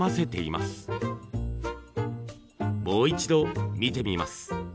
もう一度見てみます。